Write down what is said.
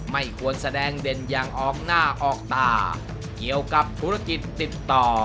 ไม่ควรแสดงเด่นอย่างออกหน้าออกตาเกี่ยวกับธุรกิจติดต่อ